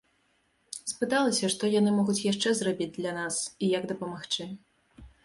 Спыталася, што яны могуць яшчэ зрабіць для нас, і як дапамагчы.